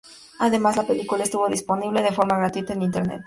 Además, la película estuvo disponible de forma gratuita en internet.